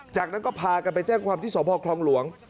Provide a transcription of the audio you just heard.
จากนั้นก็พากันไปแจ้งความที่สพคลองหลวง